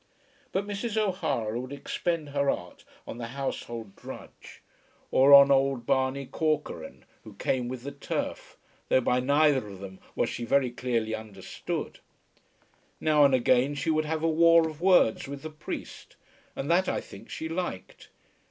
But Mrs. O'Hara would expend her art on the household drudge, or on old Barney Corcoran who came with the turf, though by neither of them was she very clearly understood. Now and again she would have a war of words with the priest, and that, I think, she liked.